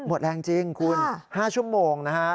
หมดแรงจริงคุณ๕ชั่วโมงนะฮะ